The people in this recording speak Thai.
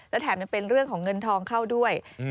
และแถมยังเป็นเรื่องของเงินทองเข้าด้วย